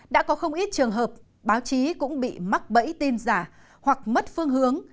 đã có không ít trường hợp báo chí cũng bị mắc bẫy tin giả hoặc mất phương hướng